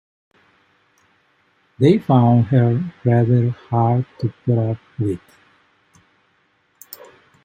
They found her rather hard to put up with.